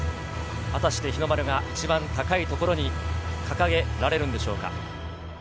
果たして日の丸が一番高いところに掲げられるんでしょうか。